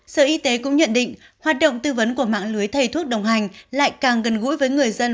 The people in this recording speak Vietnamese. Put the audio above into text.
sở y tế cũng nhận định hoạt động tư vấn của mạng lưới thầy thuốc đồng hành lại càng gần gũi với người dân